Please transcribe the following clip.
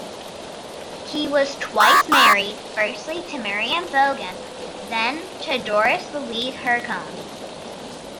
He was twice married, firstly to Miriam Bogen and then to Doris Louise Hurcomb.